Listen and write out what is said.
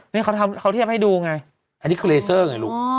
นี่เขาเทียบให้ดูไงอันนี้คือเลเซอร์ไงลูก